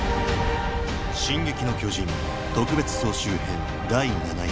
「進撃の巨人特別総集編第７夜」。